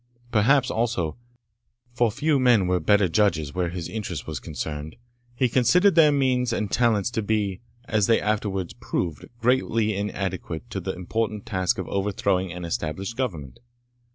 Perhaps also for few men were better judges where his interest was concerned he considered their means and talents to be, as they afterwards proved, greatly inadequate to the important task of overthrowing an established Government.